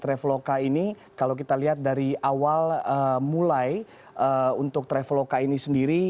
traveloka ini kalau kita lihat dari awal mulai untuk traveloka ini sendiri